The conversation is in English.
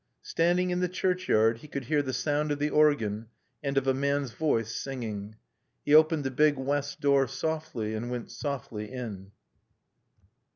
Standing in the churchyard, he could hear the sound of the organ and of a man's voice singing. He opened the big west door softly and went softly in.